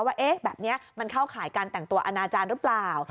ว่าแบบนี้มันเข้าข่ายการแต่งตัวอนาจารย์หรือเปล่า